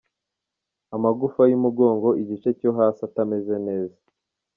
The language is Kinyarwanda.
Amagufa y’umugongo igice cyo hasi atameze neza.